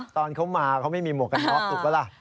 ตอนเขามาเขาไม่มีหมวกกันน็อกถูกปะล่ะ